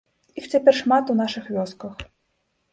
Іх цяпер шмат у нашых вёсках.